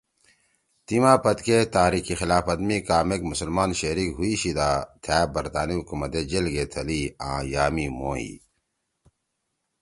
تیِما پدکے تحریک خلافت می کامیک مسلمان شریک ہُوئی شیِدا تھأ برطانی حکومتے جیل گے تھلئی آں یامی موئی